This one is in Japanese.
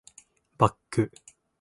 バック